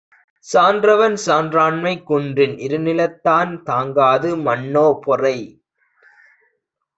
சான்றவர் சான்றாண்மை குன்றின், இருநிலந்தான் தாங்காது மன்னோ பொறை.